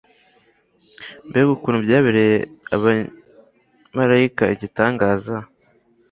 Mbega ukuntu byabereye abamarayika igitangaza: